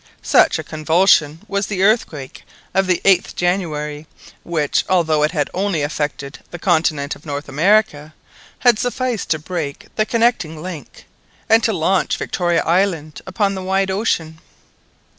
Such a convulsion was the earthquake of the 8th January, which, although it had only affected the continent of North America, had sufficed to break the connecting link, and to launch Victoria Island upon the wide ocean.